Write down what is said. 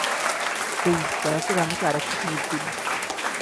Please, দয়া করে আমাকে আরেকটা সুযোগ দিন।